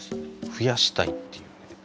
ふやしたいっていうね。